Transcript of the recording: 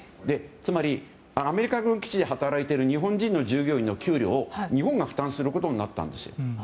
つまりアメリカ軍基地で働いている日本人の従業員の給料を日本が負担することになったんですよ。